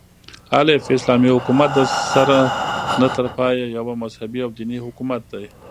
الف : اسلامي حكومت دسره نه تر پايه يو مذهبي او ديني حكومت دى